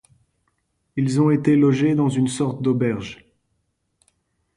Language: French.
Ils ont été logés dans une sorte d'auberge.